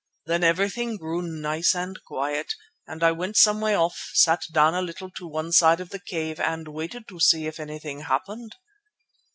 Then everything grew nice and quiet and I went some way off, sat down a little to one side of the cave, and waited to see if anything happened.